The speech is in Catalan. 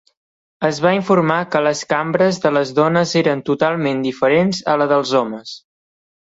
Es va informar que les cambres de les dones eren "totalment diferents" a les dels homes.